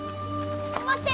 待って！